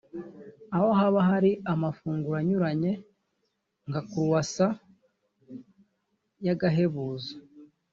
aho haba hari amafunguro anyuranye nka Croissant y’agahebuzo